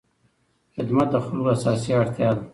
خدمت د خلکو اساسي اړتیا ده.